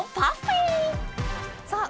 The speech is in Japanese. さあ